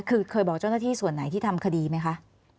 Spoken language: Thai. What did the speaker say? คือเคยบอกเจ้าหน้าที่ส่วนไหนที่ทำคดีไหมคะ